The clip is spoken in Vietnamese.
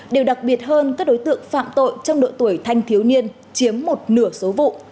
điều đặc biệt hơn các đối tượng phạm tội trong độ tuổi thanh thiếu niên chiếm một nửa số vụ